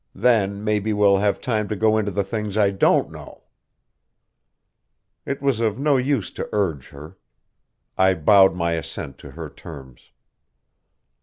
Then maybe we'll have time to go into the things I don't know." It was of no use to urge her. I bowed my assent to her terms.